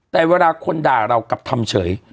แต่เวลาคนด่าเรากลับทำเฉย